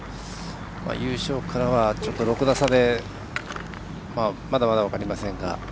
優勝からは６打差でまだまだ分かりませんが。